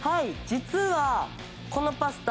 実はこのパスタ。